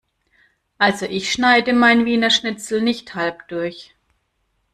Also ich schneide mein Wiener Schnitzel nicht halb durch.